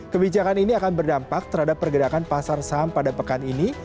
kebijakan ini akan berdampak terhadap pergerakan pasar saham pada pekan ini